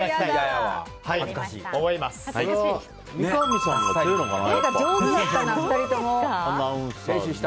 これは三上さんが強いのかな。